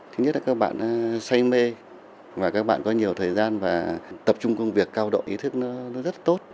thứ nhất là các bạn say mê và các bạn có nhiều thời gian và tập trung công việc cao độ ý thức rất tốt